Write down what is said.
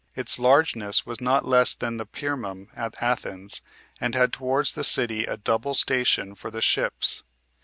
Its largeness was not less than the Pyrmum [at Athens], and had towards the city a double station for the ships.